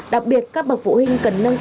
đặc biệt các bậc phụ huynh cần nâng cấp